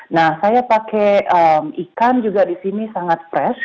nah saya pakai ikan juga di sini sangat fresh